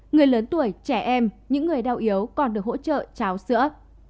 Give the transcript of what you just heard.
người lớn tuổi trẻ em những người đau yếu còn được hỗ trợ cháo sữa